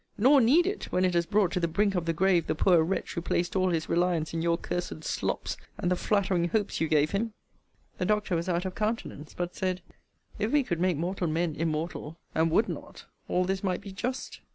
Nor need it, when it has brought to the brink of the grave the poor wretch who placed all his reliance in your cursed slops, and the flattering hopes you gave him. The doctor was out of countenance; but said, if we could make mortal men immortal, and would not, all this might be just.